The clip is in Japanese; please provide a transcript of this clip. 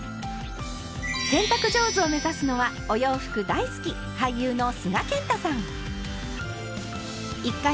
洗濯上手を目指すのはお洋服大好き俳優の須賀健太さん。